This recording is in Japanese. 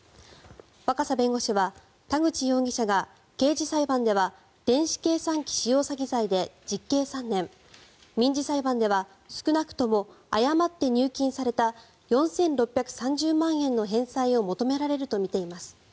若狭弁護士は田口容疑者が刑事裁判では電子計算機使用詐欺罪で実刑３年民事裁判では少なくとも誤って入金された４６３０万円の返済を求められるとみています。